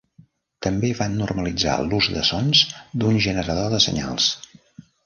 També van normalitzar l'ús de sons d'un generador de senyals.